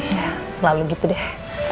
ya selalu gitu deh